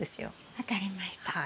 分かりました。